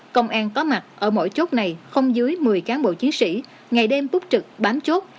công an có mặt ở mỗi chốt này không dưới một mươi cán bộ chiến sĩ ngày đêm túc trực bám chốt